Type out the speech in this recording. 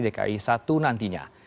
jadi bagaimana menurut pak heru